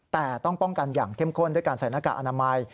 แต่ต้องป้องกันอย่างเข้มข้นด้วยการใส่หน้ากากอนามัย